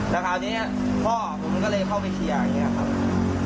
แต่คราวนี้พ่อผมก็เลยเข้าไปเคลียร์อย่างนี้ครับ